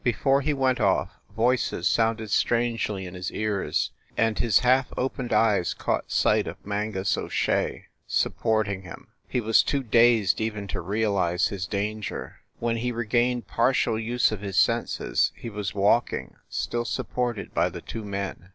Before he went off, voices sounded strangely in his ears, and his half opened eyes caught sight of Mangus O Shea supporting him ... he was too dazed even to realize his danger. When he regained partial use of his senses he was walking, still supported by the two men.